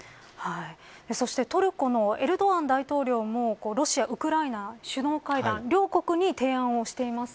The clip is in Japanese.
そして、トルコのエルドアン大統領もロシアウクライナ首脳会談両国に提案をしています。